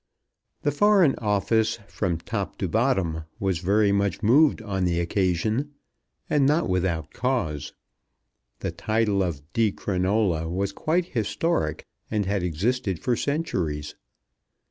The Foreign Office, from top to bottom, was very much moved on the occasion, and not without cause. The title of Di Crinola was quite historic, and had existed for centuries.